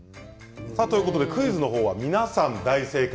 クイズの方は皆さん大正解。